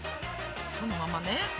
そのままね。